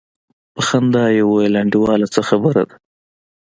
په خندا يې وويل انډيواله څه خبره ده.